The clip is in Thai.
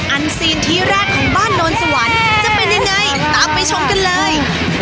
อันซีนที่แรกของบ้านโนนสวรรค์จะเป็นยังไงตามไปชมกันเลย